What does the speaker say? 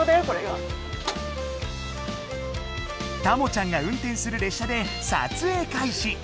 たもちゃんが運転する列車で撮影開始！